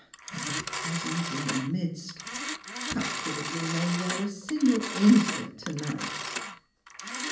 '^ But The Presence in the midst — how could it remain there a single instant to night?